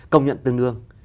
công nhận tương đương